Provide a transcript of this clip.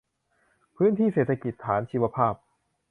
พื้นที่เศรษฐกิจฐานชีวภาพ